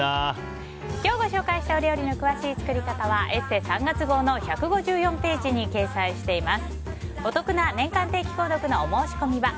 今日ご紹介した料理の詳しい作り方は「ＥＳＳＥ」３月号の１５４ページに掲載しています。